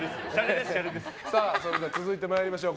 それでは続いて参りましょう。